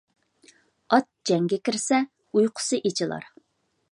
ئات جەڭگە كىرسە ئۇيقۇسى ئېچىلار.